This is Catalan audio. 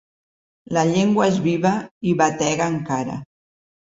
La llengua és viva i batega encara.